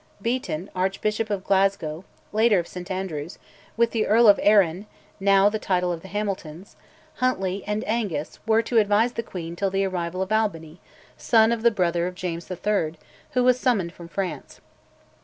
Beaton, Archbishop of Glasgow (later of St Andrews), with the Earl of Arran (now the title of the Hamiltons), Huntly, and Angus were to advise the queen till the arrival of Albany (son of the brother of James III.), who was summoned from France.